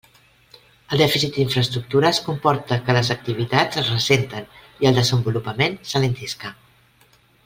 El dèficit d'infraestructures comporta que les activitats es ressenten i el desenvolupament s'alentisca.